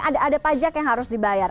ada pajak yang harus dibayar